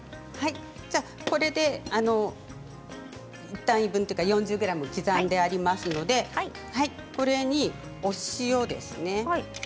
これで４０ｇ刻んでありますのでこれにお塩ですね。